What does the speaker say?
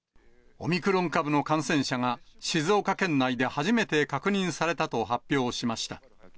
オミクロン株の感染者が、静岡県内で初めて確認されたと発表しました。